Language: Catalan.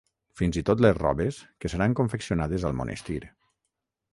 Fins i tot les robes, que seran confeccionades al monestir.